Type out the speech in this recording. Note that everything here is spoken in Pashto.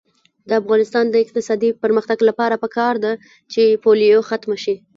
د افغانستان د اقتصادي پرمختګ لپاره پکار ده چې پولیو ختمه شي.